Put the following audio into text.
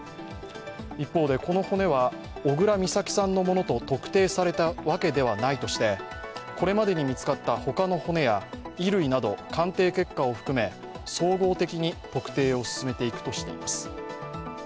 一方でこの骨は小倉美咲さんのものと特定されたわけではないとしてこれまでに見つかった他の骨や衣類など鑑定結果を含め、総合的に特定を進めていくとしています。